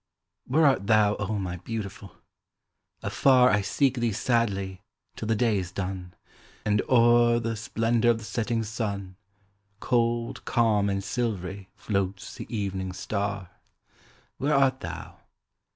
Where art thou, oh! my Beautiful? Afar I seek thee sadly, till the day is done, And o'er the splendour of the setting sun, Cold, calm, and silvery, floats the evening star; Where art thou?